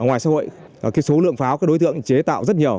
ở ngoài xã hội số lượng pháo đối tượng chế tạo rất nhiều